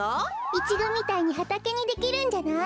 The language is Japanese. イチゴみたいにはたけにできるんじゃない？